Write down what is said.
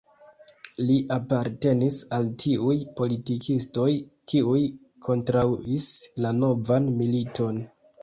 Li apartenis al tiuj politikistoj, kiuj kontraŭis la novan militon.